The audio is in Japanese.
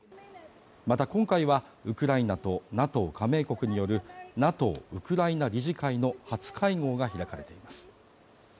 また今回は、ウクライナとＮＡＴＯ加盟国によるＮＡＴＯウクライナ理事会の初会合が開かれています。